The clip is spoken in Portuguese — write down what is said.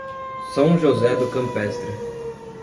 São José do Campestre